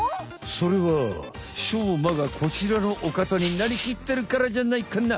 それはしょうまがこちらのおかたになりきってるからじゃないかな？